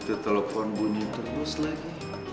kayak gitu telfon bunyi terus lagi